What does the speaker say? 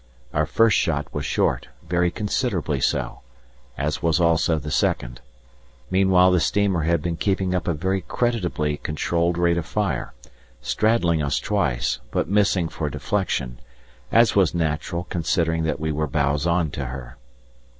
Our first shot was short, very considerably so, as was also the second. Meanwhile the steamer had been keeping up a very creditably controlled rate of fire, straddling us twice, but missing for deflection, as was natural considering that we were bows on to her.